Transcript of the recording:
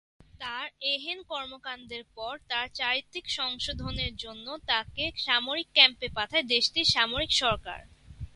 তার এহেন কর্মকাণ্ডের পর তার 'চারিত্রিক সংশোধন' এর জন্য তাকে সামরিক ক্যাম্পে পাঠায় দেশটির সামরিক সরকার।